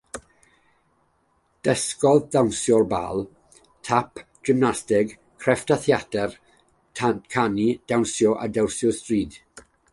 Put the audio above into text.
Dysgodd ddawnsio bale, tap, gymnasteg, crefft y theatr, canu, dawnsio a dawnsio stryd.